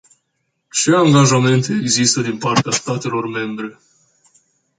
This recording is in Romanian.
Ce angajamente există din partea statelor membre?